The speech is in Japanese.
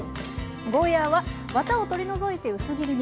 ゴーヤーはわたを取り除いて薄切りに。